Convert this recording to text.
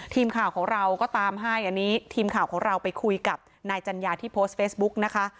ทีมข่าวของเราก็ตามให้อันนี้ทีมข่าวของเราไปคุยกับนายจัญญาที่โพสต์เฟซบุ๊กนะคะ